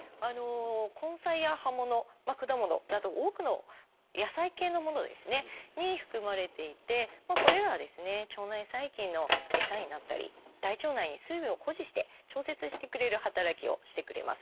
根菜や葉もの果物など多くの野菜系のものに含まれていてこれらは腸内細菌のエサになったり大腸内に水分を保持して調節してくれる働きをしてくれます。